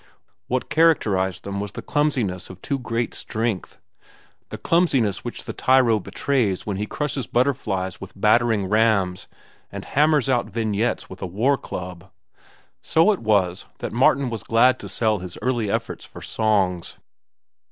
What characterized them was the clumsiness of too great strength—the clumsiness which the tyro betrays when he crushes butterflies with battering rams and hammers out vignettes with a war club. So it was that Martin was glad to sell his early efforts for songs.